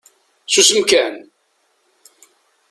Susem kan!